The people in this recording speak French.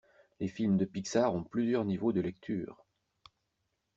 Les films de pixar ont plusieurs niveaux de lecture.